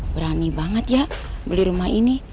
berani banget ya beli rumah ini